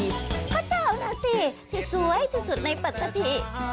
พระเจ้าน่ะสิที่สวยที่สุดในปกติ